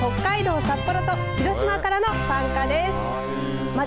きょうは北海道札幌と広島からの参加です。